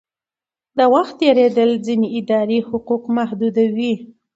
د وخت تېرېدل ځینې اداري حقوق محدودوي.